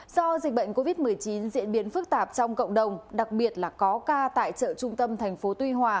do dịch bệnh covid một mươi chín diễn biến phức tạp trong cộng đồng đặc biệt là có ca tại chợ trung tâm thành phố tuy hòa